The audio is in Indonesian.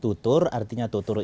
tutur artinya tutur yang berkata